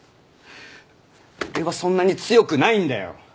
俺はそんなに強くないんだよ！